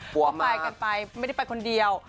ก็ไปกันไปไม่ได้ไปคนเดียว